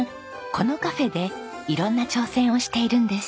このカフェで色んな挑戦をしているんです。